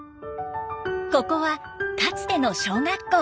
ここはかつての小学校。